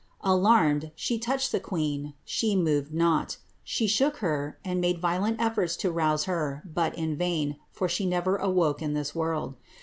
Alarmed, she touched the queen, she moved not ; she shook her, and made violent efforts to rouse her, but in vain, for she never awoke in this world.